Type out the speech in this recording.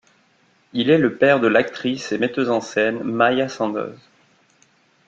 Il est le père de l'actrice et metteuse en scène Maïa Sandoz.